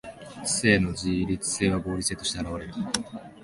知性の自律性は合理性として現われる。